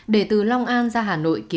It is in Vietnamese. để từ long an ra hà nội